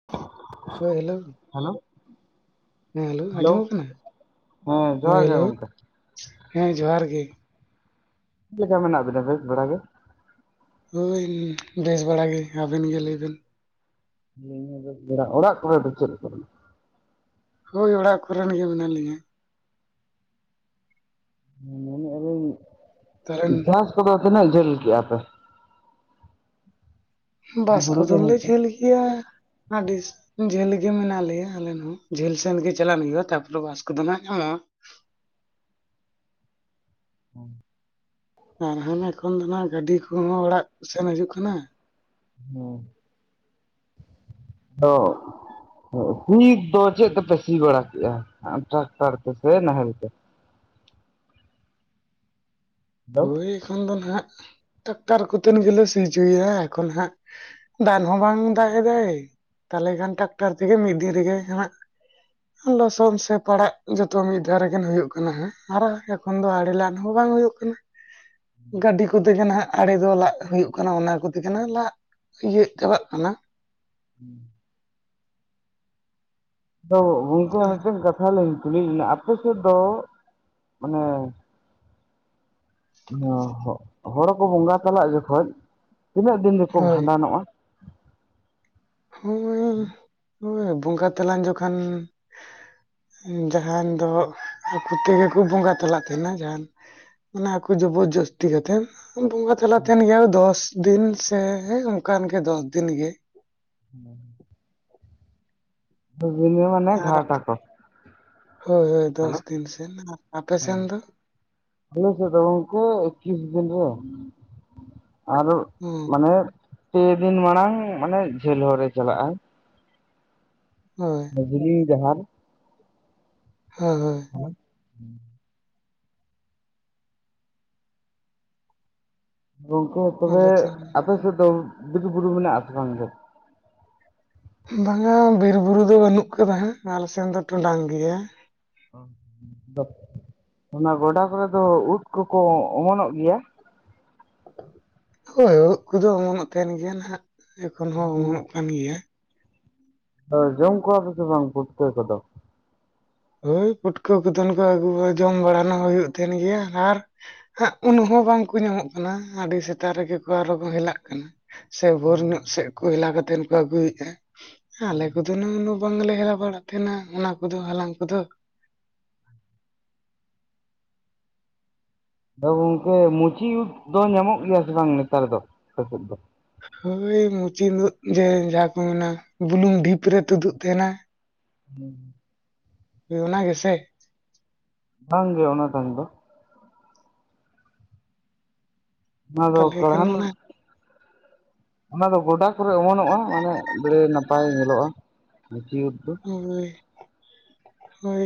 [inaudible] ᱦᱳᱭ, ᱦᱮᱞᱳ ᱦᱮᱸ hello hello ᱟᱸᱡᱚᱢᱚᱜ ᱠᱟᱱᱟ? ᱦᱮᱸ ᱦᱳᱭ ᱡᱚᱦᱟᱨ ᱜᱮ ᱦᱮᱞᱳᱣ, ᱜᱚᱝᱠᱮ ᱦᱮᱸ ᱡᱚᱦᱟᱨ ᱜᱮ᱾ ᱪᱤᱜᱠᱟ ᱢᱮᱱᱟᱜ ᱵᱤᱱᱟ ᱵᱮᱥ ᱵᱟᱲᱟ ᱜᱮ? ᱦᱳᱭ ᱵᱮᱥ ᱵᱟᱲᱟ ᱜᱮ, ᱟᱵᱮᱱ ᱜᱮ ᱞᱟᱹᱭ ᱵᱮᱱ? [inaudible] ᱚᱲᱟᱜ ᱠᱚᱨᱮ ᱫᱚ ᱪᱮᱫ ᱞᱮᱠᱟ ᱛᱚᱵᱮ? ᱦᱳᱭ ᱚᱲᱟᱜ ᱠᱚᱨᱮᱱ ᱜᱮ ᱢᱮᱱᱟᱜ ᱞᱤᱧᱟ᱾ ᱦᱩᱸ ᱢᱮᱱᱮᱜ ᱟᱞᱤᱧ ᱠᱟᱨᱚᱱ ᱪᱟᱥ ᱠᱚᱫᱚ ᱛᱤᱱᱟᱹᱜ ᱡᱷᱟᱹᱞ ᱠᱮᱜ-ᱟ ᱯᱮ? ᱵᱟᱥ ᱦᱩᱲᱩ ᱠᱚᱫᱚ ᱨᱚᱦᱚᱭ ᱞᱮ ᱠᱚ ᱡᱷᱟᱹᱞ ᱜᱮᱭᱟ ᱟᱹᱰᱤ ᱡᱷᱟᱹᱞ ᱜᱮ ᱢᱮᱱᱟᱜ ᱞᱮᱭᱟ ᱟᱞᱮᱱ ᱦᱚᱸ, ᱡᱷᱟᱹᱞ ᱥᱮᱱᱜᱮ ᱪᱟᱞᱟᱜ ᱦᱩᱭᱩᱜ-ᱟ ᱛᱟᱯᱚᱨᱮ ᱵᱟᱥ ᱠᱚᱫᱚ ᱱᱟᱦᱟᱜ ᱧᱟᱢᱚᱜ-ᱟ᱾ [unintelligible] ᱟᱨ ᱦᱟᱱᱮ ᱮᱠᱷᱚᱱ ᱫᱚ ᱱᱟᱦᱟᱜ ᱜᱟᱹᱰᱤ ᱠᱚᱦᱚᱸ ᱚᱲᱟᱜ ᱥᱮᱱ ᱦᱟᱡᱩᱜ ᱠᱟᱱᱟ᱾ ᱦᱩᱸ᱾ ᱫᱚ [unintelligible] ᱫᱚ ᱪᱮᱫ ᱛᱮᱯᱮ ᱥᱤ ᱵᱟᱲᱟ ᱠᱮᱜᱼᱟ, ᱴᱨᱟᱠᱴᱟᱨ ᱛᱮ ᱥᱮ ᱱᱟᱦᱮᱞ ᱛᱮ? ᱦᱮᱞᱳ ᱦᱳᱭ ᱮᱠᱷᱚᱱ ᱫᱚ ᱱᱟᱦᱟᱜ, ᱴᱟᱠᱴᱟᱨ ᱠᱚᱛᱮᱱ ᱜᱮᱞᱮ ᱥᱤ ᱦᱚᱪᱚᱭᱮᱜ-ᱟ ᱮᱠᱷᱚᱱ ᱦᱟᱸᱜ, ᱫᱟᱱ ᱦᱚᱸ ᱵᱟᱝ ᱫᱟᱜ ᱮᱫᱟᱭ, ᱛᱟᱦᱚᱞᱮ ᱠᱷᱟᱱ ᱴᱨᱟᱠᱴᱟᱨ ᱛᱮᱜᱮ ᱢᱤᱫ ᱫᱤᱱ ᱨᱮᱜᱮ [unintelligible] ᱦᱟᱸᱜ ᱞᱚᱥᱚᱱ ᱥᱮ ᱯᱟᱲᱟᱜ ᱡᱚᱛᱚ ᱢᱤᱫ ᱫᱷᱟᱣ ᱨᱮᱜᱮᱱ ᱦᱩᱭᱩᱜ ᱠᱟᱱᱟ ᱦᱟᱸᱜ, ᱟᱨ ᱡᱚ ᱠᱷᱚᱱ ᱫᱚ ᱟᱹᱲᱮ ᱞᱟᱫ ᱦᱚᱸ ᱵᱟᱝ ᱦᱩᱭᱩᱜ ᱠᱟᱱᱟ᱾ ᱜᱟᱹᱰᱤ ᱠᱚᱛᱮ ᱜᱮ ᱱᱟᱦᱟᱜ ᱟᱲᱮ ᱫᱚ ᱞᱟᱜ ᱦᱩᱭᱩᱜ ᱠᱟᱱᱟ ᱚᱱᱟ ᱠᱚᱛᱮ ᱱᱟᱦᱟᱜ ᱞᱟᱜ, ᱤᱭᱟᱹᱜ [unintelligible] ᱠᱟᱱᱟ᱾ ᱦᱩᱸ᱾ ᱫᱚ ᱜᱚᱝᱠᱮ [inaudible] ᱢᱤᱫᱴᱮᱱ ᱠᱟᱛᱷᱟ ᱞᱤᱧ ᱠᱩᱞᱤᱭᱮᱜ ᱵᱤᱱᱟ ᱟᱯᱮ ᱥᱮᱫ ᱫᱚ, ᱢᱟᱱᱮ ᱦᱚᱸ ᱦᱚ ᱦᱚᱲ ᱠᱚ ᱵᱚᱸᱜᱟ ᱛᱟᱞᱟᱜ ᱡᱚᱠᱷᱚᱡ, ᱛᱤᱱᱟᱹᱜ ᱫᱤᱱ ᱨᱮᱠᱚ ᱦᱳᱭ ᱵᱷᱟᱸᱰᱟᱱᱚᱜ-ᱟ? [inaudible] ᱵᱚᱸᱜᱟ ᱛᱟᱞᱟᱝ ᱡᱚᱠᱷᱟᱱ ᱡᱟᱦᱟᱸᱱ ᱫᱚ ᱟᱠᱩ ᱛᱮᱜᱮ ᱠᱩ ᱵᱚᱸᱜᱟ ᱛᱟᱞᱟᱜ ᱛᱟᱦᱮᱸᱱᱟ ᱡᱟᱦᱟᱸᱱ ᱚᱱᱟ ᱟᱠᱚ ᱡᱚᱵᱚᱨ ᱡᱚᱥᱛᱤ ᱠᱟᱛᱮᱫ, ᱵᱚᱸᱜᱟ ᱪᱟᱞᱟᱜ ᱛᱟᱦᱮᱸᱱ ᱜᱮᱭᱟ ᱫᱚᱥ ᱫᱤᱱ ᱥᱮ ᱚᱝᱠᱟᱱ ᱜᱮ ᱫᱚᱥ ᱫᱤᱱ ᱜᱮ᱾ ᱦᱩᱸ᱾ ᱫᱚᱥ ᱫᱤᱱ ᱨᱮ ᱢᱟᱱᱮ ᱟᱨ ᱜᱷᱟᱴ ᱟᱠᱚ᱾ ᱦᱳᱭ ᱦᱳᱭ ᱫᱚᱥ ᱫᱤᱱ ᱥᱮᱱ, ᱟᱯᱮ ᱥᱮᱱ ᱫᱚ? ᱟᱞᱮ ᱥᱮᱫ ᱫᱚ ᱜᱚᱝᱠᱮ ᱮᱠᱠᱤᱥ ᱫᱤᱱ ᱨᱮ, ᱟᱫᱚ ᱦᱳᱭ ᱢᱟᱱᱮ ᱯᱮ ᱫᱤᱱ ᱢᱟᱲᱟᱝ ᱢᱟᱱᱮ ᱡᱷᱟᱹᱞ ᱦᱚᱨᱮ ᱪᱟᱞᱟᱜᱼᱟ, ᱦᱳᱭ᱾ ᱢᱟᱹᱡᱷᱟᱹᱞᱤ ᱡᱟᱦᱟᱸᱱ ᱦᱚᱭ ᱦᱚᱭ᱾ ᱜᱚᱝᱠᱮ ᱛᱚᱵᱮ ᱟᱞᱮ ᱥᱮᱱ ᱟᱯᱮ ᱥᱮᱫ ᱫᱚ ᱵᱤᱨ ᱵᱩᱨᱩ ᱢᱮᱱᱟᱜ-ᱟ ᱥᱮ ᱵᱟᱝ ᱜᱮ? ᱵᱟᱝᱟ ᱵᱤᱨ ᱵᱩᱨᱩ ᱫᱚ ᱵᱟᱹᱱᱩᱜ ᱠᱟᱫᱟ ᱦᱟᱸᱜ, ᱟᱞᱮ ᱥᱮᱱ ᱫᱚ ᱴᱚᱰᱟᱝ ᱜᱮᱭᱟ᱾ [inaudible] ᱚᱱᱟ ᱜᱚᱰᱟ ᱠᱚᱨᱮ ᱫᱚ ᱩᱫ ᱠᱚᱠᱚ ᱚᱢᱚᱱᱚᱜ ᱜᱮᱭᱟ? ᱦᱳᱭ ᱳᱫ ᱠᱚᱫᱚ ᱚᱢᱚᱱᱚᱜ ᱛᱟᱦᱮᱸᱱ ᱜᱮᱭᱟ ᱱᱟᱦᱟᱜ, ᱮᱠᱷᱚᱱ ᱦᱚᱸ ᱚᱢᱚᱱᱚᱜ ᱠᱟᱱ ᱜᱮᱭᱟ᱾ ᱦᱚᱭ ᱡᱚᱢ ᱠᱚᱣᱟ ᱯᱮ ᱥᱮ ᱵᱟᱝ ᱯᱩᱴᱠᱟᱹ ᱠᱚᱫᱚ? ᱦᱳᱭ ᱯᱩᱴᱠᱟᱹ ᱠᱚᱫᱚ ᱱᱚᱠᱟ ᱟᱹᱜᱩ [inaudible] ᱡᱚᱢ ᱵᱟᱲᱟ ᱱᱟᱦᱟᱜ ᱦᱩᱭᱩᱜ ᱛᱟᱦᱮᱸᱱ ᱜᱤᱭᱟ, ᱟᱨ ᱦᱟᱸᱜ ᱩᱱ ᱦᱚᱸ ᱵᱟᱝᱠᱚ ᱧᱟᱢᱚᱜ ᱠᱟᱱᱟ, ᱟᱰᱤ ᱥᱮᱛᱟᱜ ᱨᱮᱜᱮ ᱠᱚ ᱟᱨᱚ ᱠᱚ ᱦᱮᱞᱟᱜ ᱠᱟᱱᱟ᱾ ᱥᱮ ᱵᱷᱳᱨ ᱧᱚᱜ ᱥᱮᱫ ᱠᱚ ᱦᱮᱞᱟᱣ ᱠᱟᱛᱮᱱ ᱠᱚ ᱟᱹᱜᱩᱭᱮᱫ-ᱟ, ᱟᱞᱮ ᱠᱚᱫᱚ ᱱᱚᱜ-ᱚ ᱵᱟᱝᱞᱮ ᱦᱮᱞᱟᱣ ᱵᱟᱲᱟᱜ ᱛᱟᱦᱮᱸᱱᱟ ᱚᱱᱟ ᱠᱚᱫᱚ ᱦᱟᱞᱟᱝ ᱠᱚᱫᱚ᱾ ᱟᱫᱚ ᱜᱚᱝᱠᱮ ᱢᱩᱪᱤ ᱩᱫ ᱫᱚ ᱧᱟᱢᱚᱜ ᱜᱮᱭᱟ ᱥᱮ ᱵᱟᱝ ᱱᱮᱛᱟᱨ ᱫᱚ, ᱟᱯᱮ ᱥᱮᱫ ᱫᱚ? ᱦᱳᱭ ᱢᱩᱪᱤ ᱩᱫ ᱡᱮ ᱡᱟᱦᱟᱸ ᱠᱚ ᱢᱮᱱᱟ, ᱵᱩᱞᱩᱝ ᱰᱷᱤᱯ ᱨᱮ ᱛᱩᱫᱩᱜ ᱛᱟᱦᱮᱸᱱᱟ᱾ ᱦᱩᱸ᱾ [unintelligible] ᱚᱱᱟ ᱜᱮᱥᱮ᱾ ᱵᱟᱝ ᱜᱮ ᱚᱱᱟ ᱴᱟᱝ ᱫᱚ ᱛᱟᱦᱚᱞᱮ ᱟᱫᱚᱠᱟ [inaudible] ᱠᱷᱟᱱ ᱦᱟᱱ ᱚᱱᱟ ᱚᱱᱟ ᱫᱚ ᱜᱚᱰᱟ ᱠᱚᱨᱮ ᱚᱢᱚᱱᱚᱜᱼᱟ ᱢᱟᱱᱮ ᱵᱮᱲᱮ ᱱᱟᱯᱟᱭ ᱧᱮᱞᱚᱜᱼᱟ ᱢᱟᱹᱪᱤ ᱩᱫ ᱫᱚ᱾ ᱦᱳᱭ [inaudible] ᱳᱭ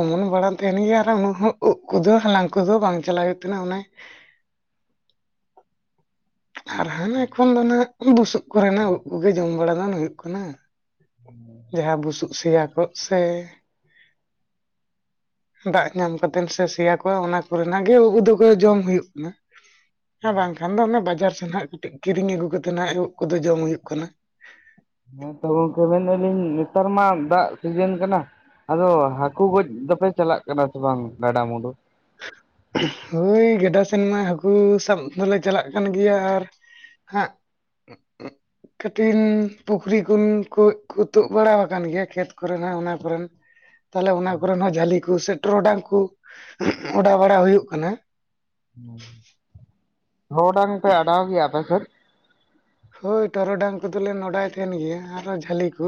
ᱚᱢᱚᱱ ᱵᱟᱲᱟᱱ ᱛᱟᱦᱮᱱ ᱜᱮᱭᱟ ᱟᱨ ᱩᱱᱟᱹ ᱩᱵ ᱠᱚᱫᱚ ᱦᱟᱞᱟᱝ ᱠᱚᱫᱚ ᱵᱟᱝ ᱪᱟᱞᱟᱜ ᱦᱩᱭᱩᱜ ᱛᱟᱦᱮ ᱚᱱᱮ ᱟᱨ ᱦᱟᱱᱮ ᱠᱷᱚᱱ ᱫᱚ ᱱᱟᱜ ᱵᱩᱥᱩᱵ ᱠᱚᱨᱮᱱᱟᱜ ᱩᱵ ᱠᱚᱜᱮ ᱡᱚᱢ ᱵᱟᱲᱟ ᱫᱚ ᱦᱩᱭᱩᱜ ᱠᱟᱱᱟ᱾ ᱡᱟᱦᱟᱸ ᱵᱩᱥᱩᱵ ᱥᱮᱭᱟ ᱠᱚᱜ ᱥᱮ ᱫᱟᱜ ᱧᱟᱢ ᱠᱟᱛᱮᱫ ᱥᱮ ᱥᱮᱭᱟ ᱠᱚᱣᱟ ᱚᱱᱟ ᱠᱚᱨᱮᱱᱟᱜ ᱜᱮ ᱩᱵ ᱫᱚᱠᱚ ᱡᱚᱢ ᱦᱩᱭᱩᱜ ᱠᱟᱱᱟ᱾ ᱦᱮᱸ ᱵᱟᱝᱠᱷᱟᱱ ᱫᱚ ᱚᱱᱮ ᱵᱟᱡᱟᱨ ᱥᱮᱫᱱᱟᱜ ᱠᱟᱹᱴᱤᱡ ᱠᱤᱨᱤᱧ ᱟᱹᱜᱩ ᱠᱟᱛᱮᱜ ᱱᱟᱜ ᱮᱵ ᱠᱚᱫᱚ ᱡᱚᱢ ᱦᱩᱭᱩᱜ ᱠᱟᱱᱟ᱾ ᱦᱮᱸᱛᱚ ᱜᱚᱝᱠᱮ ᱢᱮᱱᱮᱫᱼᱟ ᱞᱤᱧ ᱱᱮᱛᱟᱨ ᱢᱟ ᱫᱟᱜ ᱥᱤᱡᱮᱱ ᱠᱟᱱᱟ᱾ ᱟᱫᱚ ᱦᱟᱹᱠᱩ ᱜᱚᱡ ᱫᱚᱯᱮ ᱪᱟᱞᱟᱜ ᱠᱟᱱᱟ ᱥᱮ ᱵᱟᱝ ᱜᱟᱰᱟ ᱢᱩᱸᱰᱩ᱾ ᱦᱳᱭ ᱜᱟᱰᱟ ᱥᱮᱱ ᱢᱟ ᱦᱟᱹᱠᱩ ᱥᱟᱵ ᱫᱚᱞᱮ ᱪᱟᱞᱟᱜ ᱠᱟᱱ ᱜᱮᱭᱟ ᱟᱨ ᱦᱟᱸᱜ [inaudible] ᱠᱟᱹᱴᱤᱱ ᱯᱩᱠᱷᱨᱤ ᱠᱷᱚᱱ ᱠᱚ ᱠᱚ ᱛᱩᱫ ᱵᱟᱲᱟ ᱟᱠᱟᱱ ᱜᱮᱭᱟ ᱠᱷᱮᱛ ᱠᱚᱨᱮ ᱦᱚᱸ ᱚᱱᱟ ᱠᱚᱨᱮᱱ ᱛᱟᱦᱞᱮ ᱚᱱᱟ ᱠᱚᱨᱮᱱ ᱦᱚᱸ ᱡᱷᱟᱹᱞᱤ ᱠᱚ ᱥᱮ ᱴᱚᱨᱚᱰᱟᱝ ᱠᱚ ᱚᱰᱟᱣ ᱵᱟᱲᱟ ᱦᱩᱭᱩᱜ ᱠᱟᱱᱟ᱾ [unintelligible] [unintelligible] ᱰᱟᱝ ᱯᱮ ᱟᱰᱟᱟᱣ ᱜᱮᱭᱟᱯᱮ ᱥᱮᱫ? ᱦᱳᱭ ᱴᱚᱨᱚᱰᱟᱝ ᱠᱚᱫᱚᱞᱮ ᱱᱚᱰᱟᱭ ᱛᱟᱦᱮᱱ ᱜᱮᱭᱟ ᱟᱨᱚ ᱡᱷᱟᱹᱞᱤ ᱠᱚ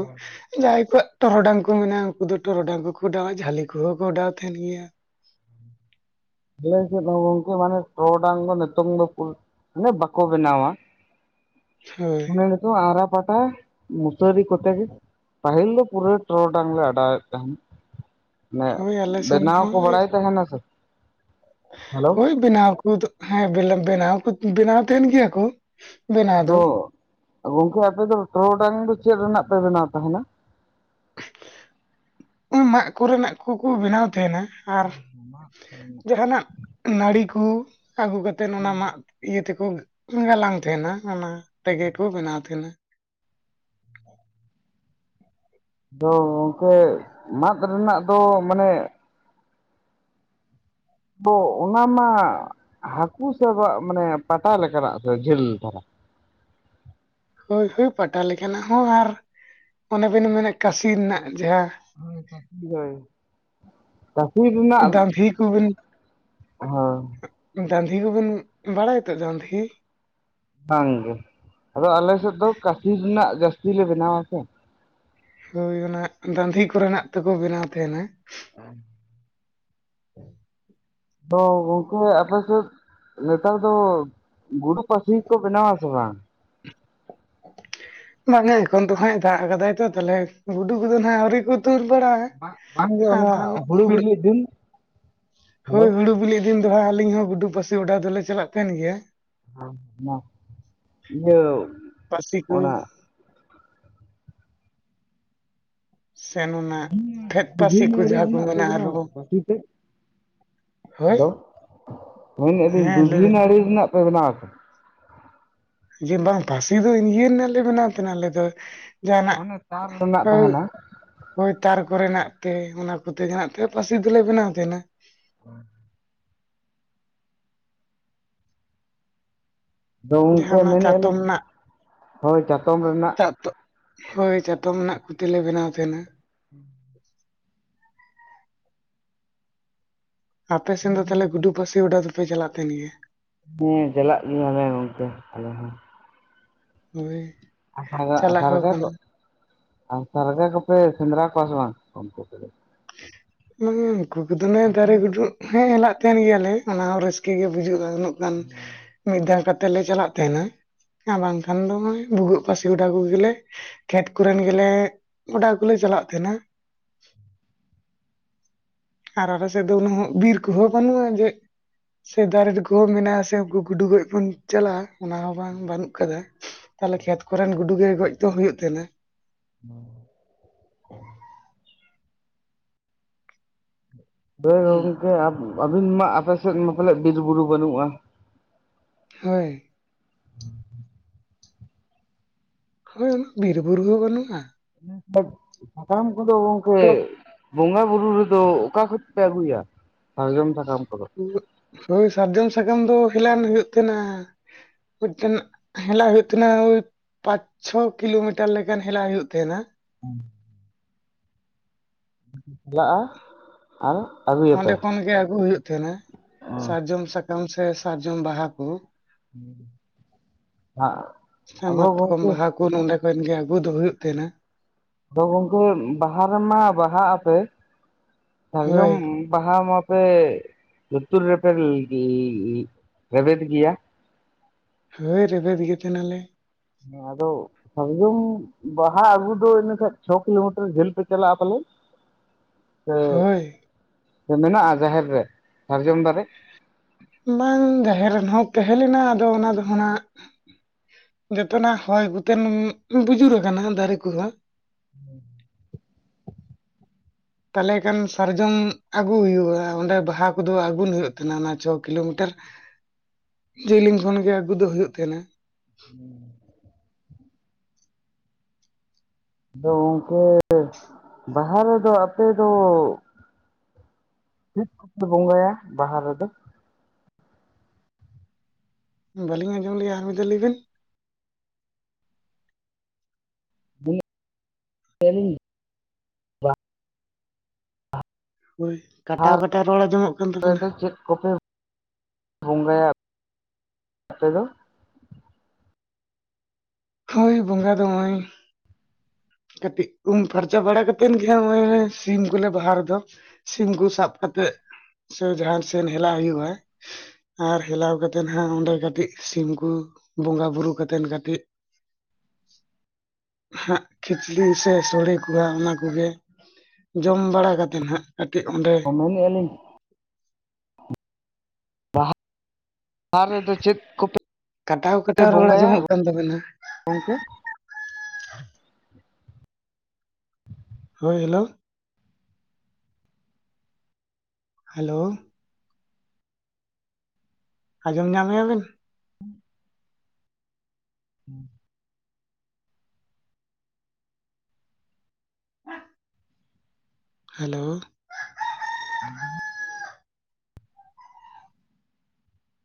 ᱡᱟᱦᱟᱸᱭ ᱠᱚᱣᱟᱜ ᱴᱚᱨᱚᱰᱟᱝ ᱠᱚ ᱢᱮᱱᱟᱜᱼᱟ ᱩᱱᱠᱩ ᱫᱚ ᱴᱚᱨᱚᱰᱟᱝ ᱠᱚᱠᱚ ᱚᱰᱟᱟᱣᱟ ᱡᱷᱟᱹᱞᱤ ᱠᱚᱦᱚᱸ ᱠᱚ ᱚᱰᱟᱣ ᱛᱟᱦᱮᱱ ᱜᱮᱭᱟ᱾ ᱟᱞᱮ ᱥᱮᱫ ᱫᱚ ᱜᱚᱝᱠᱮ ᱢᱟᱱᱮ ᱴᱚᱰᱟᱝ ᱫᱚ ᱱᱤᱛᱚᱝ ᱫᱚ ᱢᱟᱱᱮ ᱵᱟᱠᱚ ᱵᱮᱱᱟᱣᱟ᱾ ᱦᱳᱭ ᱱᱤᱛᱚᱜ ᱟᱨᱟ ᱯᱟᱴᱟ ᱢᱩᱥᱟᱨᱤ ᱠᱚᱛᱮ ᱜᱮ ᱯᱟᱦᱤᱞ ᱫᱚ ᱯᱩᱨᱟᱹ ᱴᱚᱨᱚᱰᱟᱝ ᱞᱮ ᱚᱰᱟᱣᱮᱫ ᱛᱟᱦᱮᱱ, ᱢᱟᱱᱮ ᱦᱳᱭ ᱟᱞᱮ ᱥᱮᱱ ᱵᱮᱱᱟᱣ ᱦᱚᱸ ᱠᱚ ᱵᱟᱲᱟᱭ ᱛᱟᱦᱮᱱᱟ ᱥᱮ᱾ ᱦᱮᱞᱳ ᱦᱳᱭ ᱵᱮᱱᱟᱣ ᱠᱚ ᱦᱮᱸ ᱵᱮᱱᱟᱣ ᱵᱮᱱᱟᱣ ᱵᱮᱱᱟᱣ ᱛᱟᱦᱮᱱ ᱜᱮᱭᱟ ᱠᱚ᱾ ᱵᱮᱱᱟᱣ ᱫᱚ ᱟᱫᱚ ᱜᱚᱝᱠᱮ ᱟᱯᱮ ᱫᱚ ᱴᱨᱚᱰᱟᱝ ᱫᱚ ᱪᱮᱫ ᱨᱮᱱᱟᱜ ᱯᱮ ᱵᱮᱱᱟᱣ ᱛᱟᱦᱮᱱᱟ? ᱢᱟᱜ ᱠᱚᱨᱮᱱᱟᱜ ᱠᱚᱠᱚ ᱵᱮᱱᱟᱣ ᱛᱟᱦᱮᱱᱟ ᱟᱨ ᱡᱟᱦᱟᱸᱱᱟᱜ ᱱᱟᱲᱤᱠᱚ ᱟᱹᱜᱩ ᱠᱟᱛᱮᱫ ᱚᱱᱟ ᱢᱟᱜ ᱤᱭᱟᱹ ᱛᱮᱠᱚ ᱜᱟᱞᱟᱝ ᱛᱟᱦᱮᱱᱟ ᱚᱱᱟ ᱛᱮᱜᱮ ᱠᱚ ᱵᱮᱱᱟᱣ ᱛᱟᱦᱮᱱᱟ᱾ ᱟᱫᱚ ᱜᱚᱝᱠᱮ ᱢᱟᱫ ᱨᱮᱱᱟᱜ ᱫᱚ ᱢᱟᱱᱮ [unintelligible] ᱚᱱᱟ ᱢᱟᱜ ᱦᱟᱹᱠᱩ ᱥᱮ ᱟᱵᱚ ᱢᱟᱱᱮ ᱯᱟᱴᱟ ᱞᱮᱠᱟᱱᱟᱜ ᱡᱷᱟᱹᱞ ᱫᱷᱟᱨᱟ᱾ ᱦᱳᱭ ᱦᱳᱭ ᱯᱟᱴᱟ ᱞᱮᱠᱟᱱᱟᱜ ᱦᱚᱸ ᱟᱨ ᱚᱱᱮ ᱵᱮᱱ ᱢᱮᱱᱟ ᱠᱟᱥᱤ ᱨᱮᱱᱟᱜ ᱡᱟᱦᱟᱸ [unintelligible] [unintelligible] ᱫᱟᱺᱫᱷᱤ ᱠᱚᱵᱮᱱ ᱦᱳᱭ ᱫᱟᱺᱫᱷᱤ ᱠᱚᱵᱮᱱ ᱵᱟᱲᱟᱭᱛᱚ ᱫᱟᱺᱫᱷᱤ? ᱵᱟᱝ ᱜᱮ ᱟᱫᱚ ᱟᱞᱮ ᱥᱮᱫ ᱫᱚ ᱠᱟᱹᱥᱤ ᱨᱮᱱᱟᱜ ᱡᱟᱹᱥᱛᱤ ᱞᱮ ᱵᱮᱱᱟᱣᱟ ᱥᱮ᱾ ᱦᱩᱭᱳᱱᱟ ᱫᱟᱺᱫᱷᱤ ᱠᱚᱨᱮᱱᱟᱜ ᱛᱮᱠᱚ ᱵᱮᱱᱟᱣ ᱛᱟᱦᱮᱱᱟ᱾ [inaudible] ᱚ ᱜᱚᱢᱠᱮ ᱟᱯᱮ ᱥᱮᱫ ᱱᱮᱛᱟᱨ ᱫᱚ ᱜᱩᱰᱩ ᱯᱟᱹᱥᱤ ᱠᱚ ᱵᱮᱱᱟᱣᱟᱥᱮ ᱵᱟᱝ? ᱵᱟᱝᱟ ᱮᱠᱷᱚᱱ ᱛᱚ ᱦᱟᱸᱜ ᱫᱟᱜ ᱟᱠᱟᱫᱟᱭ ᱛᱚ ᱛᱟᱦᱞᱮ ᱜᱩᱰᱩ ᱠᱚᱫᱚ ᱦᱟᱜ ᱟᱹᱣᱨᱤ ᱠᱚ ᱫᱩᱨ ᱵᱟᱲᱟ ᱵᱟᱝᱜᱮ ᱟᱨᱠᱷᱟᱱ ᱚᱱᱟ ᱦᱩᱲᱩ ᱦᱩᱲᱩᱜ ᱵᱤᱞᱤᱜ ᱫᱤᱱ ᱦᱳᱭ, ᱦᱮᱞᱳ ᱦᱩᱲᱩ ᱵᱤᱞᱤ ᱫᱤᱱ ᱫᱚ ᱦᱟᱸ ᱟᱞᱤᱧ ᱦᱚᱸ ᱜᱩᱰᱩ ᱯᱟᱹᱥᱤ ᱚᱰᱟᱣ ᱫᱚᱞᱮ ᱪᱟᱞᱟᱜ ᱜᱮᱭᱟ᱾ [inaudible] ᱤᱭᱟᱹ ᱯᱟᱥᱤ ᱠᱩ ᱚᱱᱟ ᱥᱮ ᱚᱱᱟ ᱯᱷᱮᱫ [unintelligible] ᱯᱟᱹᱥᱤ ᱠᱚ ᱡᱟᱦᱟᱸ ᱠᱚ ᱢᱮᱱᱟᱜ ᱢᱮᱱᱟ ᱛᱟᱵᱮᱱᱟ ᱟᱨᱦᱚᱸ ᱯᱟᱥᱤ ᱛᱮᱜ ᱦᱳᱭ ᱦᱮᱞᱳ ᱢᱮᱱᱮᱜᱼᱟ ᱞᱤᱧ ᱦᱮᱸ ᱞᱟᱹᱭ ᱫᱩᱜᱷᱤ ᱵᱮᱱ ᱱᱟᱹᱲᱤ ᱨᱮᱱᱟᱜ ᱯᱮ ᱵᱮᱱᱟᱣ ᱠᱟ ᱡᱮ ᱵᱟᱝ ᱯᱟᱥᱤ ᱫᱚ ᱤᱭᱟᱹ ᱨᱮᱱᱟᱜ ᱞᱮ ᱵᱮᱱᱟᱣ ᱛᱟᱦᱮᱸᱱᱟ ᱟᱞᱮ ᱫᱚ, ᱡᱟᱦᱟᱸᱱᱟᱜ ᱚᱱᱮ ᱛᱟᱨ ᱨᱮᱱᱟᱜ ᱠᱟᱹ ᱛᱟᱦᱮᱱᱟ ᱦᱳᱭ ᱛᱟᱨ ᱠᱚᱨᱮᱱᱟᱜ ᱛᱮ ᱚᱱᱟ ᱠᱚᱛᱮᱜᱮ ᱦᱟᱸᱜ ᱛᱮ ᱯᱟᱥᱤ ᱫᱚᱞᱮ ᱵᱮᱱᱟᱣ ᱛᱟᱦᱮᱸᱱᱟ। [unintelligible] ᱟᱫᱚ ᱡᱟᱦᱟᱸ ᱜᱚᱝᱠᱮ ᱚᱱᱟ ᱢᱮᱱᱮᱫᱼᱟ ᱞᱤᱧ ᱪᱟᱛᱚᱢ ᱱᱟᱜ ᱦᱳᱭ ᱪᱟᱛᱚᱢ ᱨᱮᱱᱟᱜ ᱪᱟᱛᱚᱜ ᱦᱳᱭ ᱪᱟᱛᱚᱢ ᱱᱟᱜ ᱠᱚᱛᱮᱞᱮ ᱵᱮᱱᱟᱣ ᱛᱟᱦᱮᱸᱱᱟ᱾ [inaudible] ᱟᱯᱮ ᱥᱮᱱ ᱫᱚ ᱛᱟᱦᱞᱮ ᱜᱩᱰᱩ ᱯᱟᱹᱥᱤ ᱚᱰᱟᱣ ᱫᱚᱯᱮ ᱪᱟᱞᱟᱜ ᱛᱟᱦᱮᱸᱱ ᱜᱮᱭᱟ? ᱦᱮᱸ ᱪᱟᱞᱟᱜ ᱜᱮᱭᱟᱞᱮ ᱜᱚᱝᱠᱮ ᱟᱞᱮ ᱦᱚᱸ᱾ ᱦᱳᱭ, ᱟᱨ ᱪᱟᱞᱟᱜ ᱦᱚᱸ ᱥᱟᱨᱜᱮ ᱠᱚ ᱠᱟᱱᱟ ᱥᱟᱨᱜᱮ ᱠᱚᱯᱮ ᱥᱮᱸᱫᱽᱨᱟ ᱠᱚᱣᱟ ᱥᱮᱵᱟᱝ ᱚᱱᱛᱮ ᱨᱮᱫᱚ? ᱢᱟᱱᱮ ᱩᱱᱠᱚ ᱠᱚᱫᱚ ᱱᱮ ᱫᱟᱨᱮ ᱜᱩᱡᱩᱜ ᱦᱮᱸ ᱦᱮᱞᱟᱜ ᱛᱟᱦᱮᱸᱱ ᱜᱮᱭᱟᱞᱮ ᱚᱱᱟ ᱦᱚᱸ ᱨᱟᱹᱥᱠᱟᱹ ᱜᱮ ᱵᱩᱡᱷᱩᱜᱼᱟ ᱩᱱᱟᱹᱜ ᱜᱟᱱ ᱢᱤᱫ ᱫᱷᱟᱣ ᱠᱟᱛᱮᱜ ᱞᱮ ᱪᱟᱞᱟᱜ ᱛᱟᱦᱮᱸᱱᱟ ᱟᱨ ᱵᱟᱝᱠᱷᱟᱱ ᱫᱚ ᱱᱚᱜᱼᱚᱭ ᱵᱷᱩᱜᱟᱹᱜ ᱯᱟᱹᱥᱤ ᱚᱰᱟᱣ ᱠᱚᱜᱮᱞᱮ ᱠᱷᱮᱛ ᱠᱚᱨᱮᱱ ᱜᱮᱞᱮ ᱚᱰᱟᱣ ᱠᱚᱞᱮ ᱪᱟᱞᱟᱜ ᱛᱟᱦᱮᱸᱱᱟ᱾ ᱟᱨ ᱟᱞᱮ ᱥᱮᱜ ᱫᱚ ᱩᱱᱟᱹᱜ ᱦᱚᱸ ᱵᱤᱨ ᱠᱚᱦᱚᱸ ᱵᱟᱱᱩᱜᱼᱟ ᱡᱮ ᱥᱮ ᱫᱟᱨᱮ ᱨᱮᱠᱚ ᱢᱮᱱᱟᱜᱼᱟ ᱥᱮ ᱩᱱᱠᱩ ᱜᱩᱰᱩ ᱜᱚᱡ ᱵᱚᱱ ᱪᱟᱞᱟᱜᱼᱟ ᱚᱱᱟ ᱦᱚᱸ ᱵᱟᱝ ᱵᱟᱹᱱᱩᱜ ᱠᱟᱫᱟ ᱛᱟᱦᱚᱞᱮ ᱠᱷᱮᱛ ᱠᱚᱨᱮᱱ ᱜᱩᱰᱩ ᱜᱮ ᱜᱚᱡ ᱫᱚ ᱦᱩᱭᱩᱜ ᱛᱟᱦᱮᱸᱱᱟ᱾ [unintelligible] ᱦᱳᱭ ᱦᱩᱸ ᱜᱚᱝᱠᱮ ᱟᱵ ᱟᱹᱵᱤᱱ ᱢᱟ ᱟᱯᱮᱥᱮᱜ ᱢᱟ ᱯᱟᱞᱮ ᱵᱤᱨ ᱵᱩᱨᱩ ᱵᱟᱹᱱᱩᱜᱼᱟ? ᱦᱳᱭ᱾ ᱦᱳᱭ ᱩᱱᱟᱹᱜ ᱵᱤᱨᱵᱩᱨᱩ ᱦᱚᱸ ᱵᱟᱹᱱᱩᱜᱼᱟ᱾ ᱥᱟᱠᱟᱢ ᱠᱚᱫᱚ ᱜᱚᱝᱠᱮ ᱴᱚᱠ [unintelligible] ᱵᱚᱸᱜᱟ ᱵᱩᱨᱩ ᱨᱮᱫᱚ ᱚᱠᱟ ᱠᱷᱚᱡᱯᱮ ᱟᱹᱜᱩᱭᱟ ᱥᱟᱨᱡᱚᱢ ᱥᱟᱠᱟᱢ ᱠᱚᱫᱚ? ᱦᱳᱭ ᱥᱟᱨᱡᱚᱢ ᱥᱟᱠᱟᱢ ᱫᱚ ᱦᱮᱞᱟᱱ ᱦᱩᱭᱩᱜ ᱛᱟᱦᱮᱸᱱᱟ᱾ ᱢᱤᱜᱴᱮᱱ ᱦᱮᱞᱟ ᱦᱩᱭᱩᱜ [unintelligible] ᱯᱟᱸᱪ ᱪᱷᱚ ᱠᱤᱞᱳᱢᱤᱴᱟᱨ ᱞᱮᱠᱟᱱ ᱦᱮᱞᱟ ᱦᱩᱭᱩᱜ ᱛᱟᱦᱮᱸᱱᱟ᱾ ᱦᱮᱞᱟᱜᱼᱟ, ᱟᱨᱚ [unintelligible] ᱚᱸᱰᱮ ᱠᱷᱚᱱᱜᱮ ᱟᱹᱜᱩ ᱦᱩᱭᱩᱜ ᱛᱟᱦᱮᱸᱱᱟ ᱥᱟᱨᱡᱚᱢ ᱥᱟᱠᱟᱢ ᱥᱮ ᱥᱟᱨᱡᱚᱢ ᱵᱟᱦᱟ ᱠᱚ᱾ ᱥᱮ ᱟᱫᱚ ᱢᱟᱛᱠᱚᱢ ᱜᱚᱝᱠᱮ ᱵᱟᱦᱟ ᱠᱩ ᱱᱚᱸᱰᱮ ᱠᱷᱚᱱ ᱜᱮ ᱟᱹᱜᱩ ᱫᱚ ᱦᱩᱭᱩᱜ ᱛᱟᱦᱮᱸᱱᱟ᱾ ᱟᱫᱚ ᱜᱚᱝᱠᱮ ᱵᱟᱦᱟ ᱨᱮᱢᱟ ᱵᱟᱦᱟᱜ ᱟᱯᱮ ᱦᱳᱭ ᱥᱟᱨᱡᱚᱢ ᱵᱟᱦᱟ ᱢᱟᱯᱮ ᱞᱩᱛᱩᱨ ᱨᱮᱯᱮ ᱨᱮᱵᱮᱫ ᱜᱮᱭᱟ? ᱦᱳᱭ ᱨᱮᱵᱮᱫ ᱜᱮ ᱛᱟᱦᱮᱸᱱᱟᱞᱮ᱾ ᱦᱮᱸ ᱟᱫᱚᱜ ᱥᱟᱨᱡᱚᱢ ᱵᱟᱦᱟ ᱟᱜᱩ ᱫᱚ ᱤᱱᱟᱹᱠᱷᱟᱭ ᱪᱷᱚ ᱠᱤᱞᱳᱢᱤᱴᱟᱨ ᱡᱷᱟᱹᱞ ᱯᱮ ᱪᱟᱞᱟᱜᱼᱟ ᱯᱟᱞᱮ ᱦᱳᱭ ᱥᱮ ᱢᱮᱱᱟᱜᱼᱟ ᱡᱟᱦᱮᱨ ᱨᱮ ᱥᱟᱨᱡᱚᱢ ᱫᱟᱨᱮ? ᱵᱟᱝ ᱡᱟᱦᱮᱨ ᱨᱮᱱ ᱦᱚᱸ ᱛᱟᱦᱮᱸ ᱞᱮᱱᱟ ᱟᱫᱚ ᱚᱱᱟ ᱫᱚᱦᱚᱸ ᱱᱟᱜ ᱡᱚᱛᱚᱱᱟᱜ ᱦᱚᱭ ᱠᱚᱛᱮᱱ ᱵᱩᱡᱩᱨ ᱠᱟᱱᱟ ᱫᱟᱨᱮ ᱠᱚᱦᱚᱸ᱾ [unintelligible] ᱛᱟᱦᱚᱞᱮ ᱠᱷᱟᱱ ᱥᱟᱨᱡᱚᱢ ᱟᱹᱜᱩ ᱦᱩᱭᱩᱜ-ᱟ ᱚᱸᱰᱮ ᱵᱟᱦᱟ ᱠᱚᱫᱚ ᱟᱹᱜᱩᱱ ᱦᱩᱭᱩᱜ ᱛᱟᱦᱮᱸᱱᱟ, ᱚᱱᱟ ᱪᱷᱚ ᱠᱤᱞᱳᱢᱤᱴᱟᱨ [unintelligible] ᱡᱮᱞᱤᱧ ᱠᱷᱚᱱ ᱜᱮ ᱟᱹᱜᱩ ᱫᱚ ᱦᱩᱭᱩᱜ ᱛᱟᱦᱮᱸᱱᱟ। [unintelligible] ᱟᱫᱚ ᱜᱚᱝᱠᱮ ᱵᱟᱦᱟ ᱨᱮᱫᱚ ᱟᱯᱮ ᱫᱚ ᱪᱮᱫ ᱠᱚᱯᱮ ᱵᱚᱸᱜᱟᱭᱟ ᱵᱟᱦᱟ ᱨᱮᱫᱚ? ᱵᱟᱹᱞᱤᱧ ᱟᱸᱡᱚᱢ ᱞᱮᱜ-ᱟ ᱟᱨ ᱢᱤᱫᱫᱷᱟ ᱞᱟᱹᱭ ᱵᱤᱱ? ᱢᱮᱱᱮᱫᱼᱟ [unintelligible] ᱦᱳᱭ ᱠᱟᱴᱟᱣ ᱠᱟᱴᱟᱣ ᱨᱚᱲ ᱟᱡᱚᱢᱚᱜ ᱟᱯᱮ ᱫᱚ ᱪᱮᱫ ᱠᱚᱯᱮ ᱵᱚᱸᱜᱟᱭᱟ ᱟᱯᱮ ᱫᱚ? ᱦᱳᱭ ᱵᱚᱸᱜᱟ ᱫᱚ ᱦᱚᱸᱜ-ᱚᱭ ᱠᱟᱴᱤᱡ ᱩᱢ ᱯᱷᱟᱨᱪᱟ ᱵᱟᱲᱟ ᱠᱟᱛᱮᱱ ᱜᱮ ᱦᱟᱸᱜ ᱥᱤᱢ ᱠᱚᱞᱮ ᱵᱟᱦᱟ ᱨᱮᱫᱚ ᱥᱤᱢ ᱠᱚ ᱥᱟᱵ ᱠᱟᱛᱮᱫ ᱥᱮ ᱡᱟᱦᱮᱨ ᱥᱮᱱ ᱦᱮᱞᱟᱣ ᱦᱩᱭᱩᱜ-ᱟ᱾ ᱟᱨ ᱦᱮᱞᱟᱣ ᱠᱟᱛᱮᱫ ᱦᱟᱸᱜ ᱚᱸᱰᱮ ᱠᱟᱹᱴᱤᱡ ᱥᱤᱢ ᱠᱚ ᱵᱚᱸᱜᱟ ᱵᱩᱨᱩ ᱠᱟᱛᱮᱫ ᱠᱟᱹᱴᱤᱡ [unintelligible] [unintelligible] ᱠᱷᱤᱪᱲᱤ ᱥᱮ ᱥᱚᱲᱮ ᱠᱚ ᱚᱱᱟ ᱠᱚᱜᱮ ᱡᱚᱢ ᱵᱟᱲᱟ ᱠᱟᱛᱮᱜ ᱦᱟᱸᱜ ᱠᱟᱹᱴᱤᱡ ᱚᱸᱰᱮ [inaudible] ᱵᱟᱦᱟ ᱟ ᱨᱮᱫᱚ ᱪᱮᱫ ᱠᱚᱯᱮ ᱠᱟᱴᱟᱣ ᱯᱮ ᱠᱟᱴᱟᱣ ᱨᱚᱲ ᱵᱚᱸᱜᱟᱭᱟ? ᱟᱸᱡᱚᱢᱚᱜ ᱠᱟᱱ ᱛᱟᱵᱮᱱᱟ ᱜᱚᱝᱠᱮ, ᱦᱳᱭ ᱦᱮᱞᱳ, ᱦᱮᱞᱳ, ᱟᱸᱡᱚᱢ ᱧᱟᱢᱮᱜᱼᱟ ᱵᱤᱱ? [unintelligible] ᱦᱮᱞᱳ᱾ [inaudible]